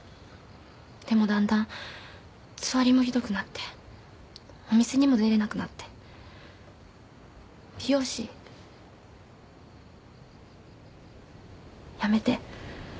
でもだんだんつわりもひどくなってお店にも出れなくなって美容師辞めて。